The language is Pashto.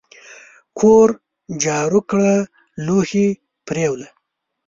کور جارو کړه لوښي پریوله !